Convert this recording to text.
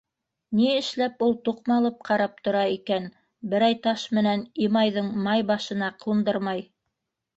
— Ни эшләп ул туҡмалып ҡарап тора икән, берәй таш менән Имайҙың май башына ҡундырмай.